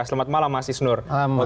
selamat malam mas isnur